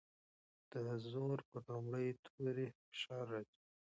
د زور پر لومړي توري فشار راځي.